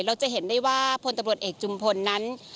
เราจะเห็นได้ว่าพลตำรวจเอกจุมพลนั้น